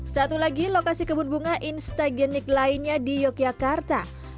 satu lagi lokasi kebun bunga instagenik lainnya di yogyakarta